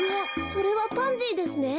それはパンジーですね。